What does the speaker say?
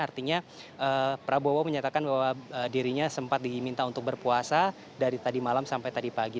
artinya prabowo menyatakan bahwa dirinya sempat diminta untuk berpuasa dari tadi malam sampai tadi pagi